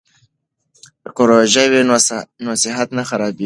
که روژه وي نو صحت نه خرابیږي.